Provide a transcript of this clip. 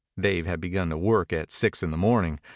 Dave had begun work at six in the morning.